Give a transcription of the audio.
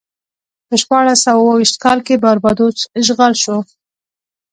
په شپاړس سوه اوه ویشت کال کې باربادوس اشغال شو.